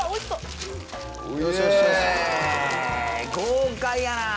豪快やな！